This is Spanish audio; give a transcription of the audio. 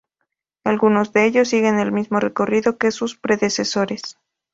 Algunos de ellos siguen el mismo recorrido que sus predecesores.